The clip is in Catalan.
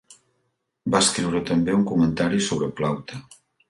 Va escriure també un comentari sobre Plaute.